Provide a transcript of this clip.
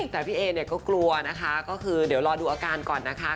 แต่พี่เอเนี่ยก็กลัวนะคะก็คือเดี๋ยวรอดูอาการก่อนนะคะ